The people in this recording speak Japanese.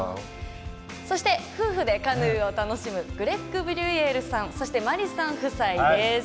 そして夫婦でカヌーを楽しむグレッグ・ブリュイエールさんそして真理さん夫妻です。